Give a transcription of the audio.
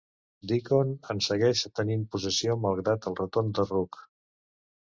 Deacon en segueix tenint possessió malgrat el retorn de Rook.